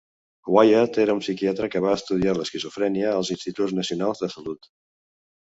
Wyatt era un psiquiatre que va estudiar l'esquizofrènia als Instituts Nacionals de Salut.